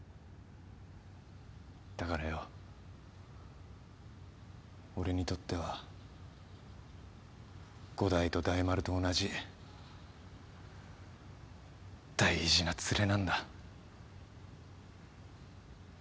だからよ俺にとっては伍代と大丸と同じ大事なツレなんだ。